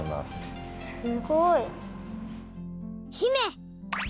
すごい！姫！